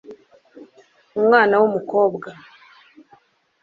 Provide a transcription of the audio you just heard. umwana w'umukobwa